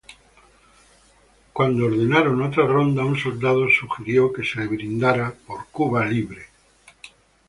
Cuando ordenaron otra ronda, un soldado sugirió que se brindara "¡Por Cuba Libre!